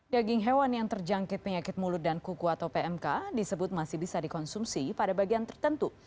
daging hewan yang terjangkit penyakit mulut dan kuku atau pmk disebut masih bisa dikonsumsi pada bagian tertentu